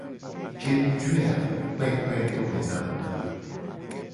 Ke mu yoe vo a mu kpekpe do me na mu o.